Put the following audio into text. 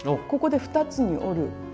ここで二つに折る。